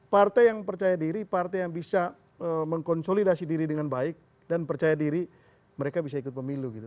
partai yang percaya diri partai yang bisa mengkonsolidasi diri dengan baik dan percaya diri mereka bisa ikut pemilu gitu